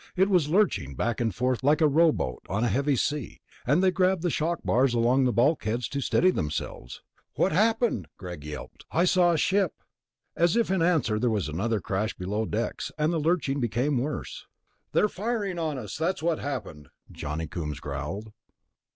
it was lurching back and forth like a rowboat on a heavy sea, and they grabbed the shock bars along the bulkheads to steady themselves. "What happened?" Greg yelped. "I saw a ship...." As if in answer there was another crash belowdecks, and the lurching became worse. "They're firing on us, that's what happened," Johnny Coombs growled.